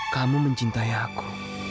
kamu mencintai aku